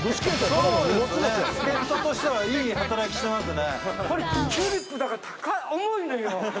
助っ人としてはいい働きしてますね。